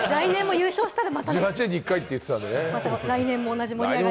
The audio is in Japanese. １８年に１回って言ってたんでね。